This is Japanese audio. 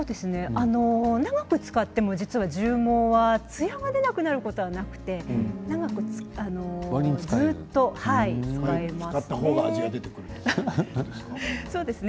長く使っても獣毛はつやが出なくなることはなくてずっと使えます。